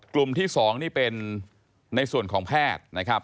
กลุ่มที่๒นี่เป็นในส่วนของแพทย์นะครับ